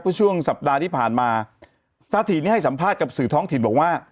ช่วงสัปดาห์ที่ผ่านมาซาถีนี่ให้สัมภาษณ์กับสื่อท้องถิ่นบอกว่า